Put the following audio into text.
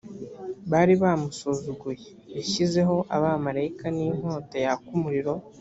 bari bamusuzuguye yashyizeho abamarayika n inkota yaka umuriro